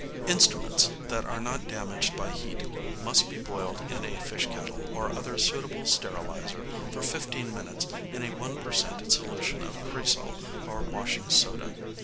# Instruments that are not damaged by heat must be boiled in a fish kettle or other suitable steriliser for fifteen minutes in a 1 per cent. solution of cresol or washing soda.